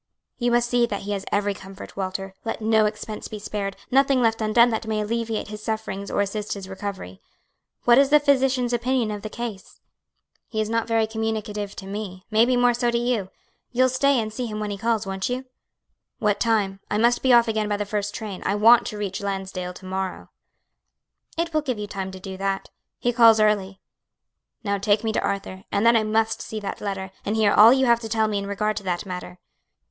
"You must see that he has every comfort, Walter; let no expense be spared, nothing left undone that may alleviate his sufferings or assist his recovery. What is the physician's opinion of the case?" "He is not very communicative to me; may be more so to you. You'll stay and see him when he calls, won't you?" "What time? I must be off again by the first train. I want to reach Lansdale to morrow." "It will give you time to do that. He calls early." "Now take me to Arthur; and then I must see that letter, and hear all you have to tell me in regard to that matter."